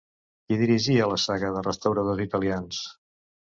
Qui dirigia la saga de restauradors italians?